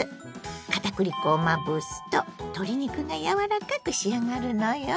片栗粉をまぶすと鶏肉がやわらかく仕上がるのよ。